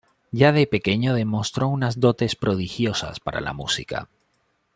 Ya de pequeño demostró unas dotes prodigiosas para la música.